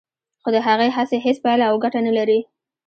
خو د هغه هڅې هیڅ پایله او ګټه نه لري